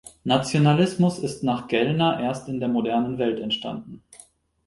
Nationalismus ist nach Gellner erst in der modernen Welt entstanden.